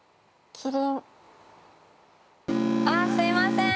あっすいません。